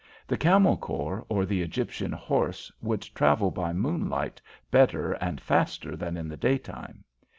The Camel Corps or the Egyptian Horse would travel by moonlight better and faster than in the daytime.